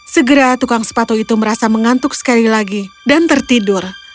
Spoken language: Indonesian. segera tukang sepatu itu merasa mengantuk sekali lagi dan tertidur